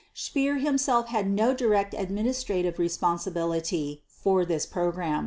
Speer himself had no direct administrative responsibility for this program.